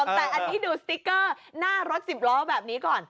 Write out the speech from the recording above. แต่อันนี้ดูสติ๊กเกอร์หน้ารถ๑๐ล้อแบบนี้ก่อน